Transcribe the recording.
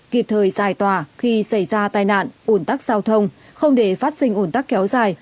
kịp thời dài tòa khi xảy ra tai nạn ổn tắc giao thông không để phát sinh ổn tắc kéo dài